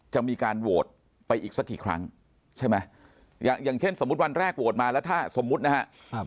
จะมีการโหวตไปอีกสักกี่ครั้งใช่ไหมอย่างอย่างเช่นสมมุติวันแรกโหวตมาแล้วถ้าสมมุตินะครับ